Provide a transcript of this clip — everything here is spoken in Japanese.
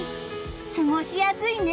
過ごしやすいね。